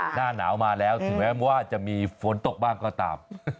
หน้าหนาวมาแล้วถึงแม้ว่าจะมีฝนตกบ้างก็ตาม